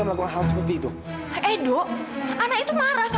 eh dok kenapa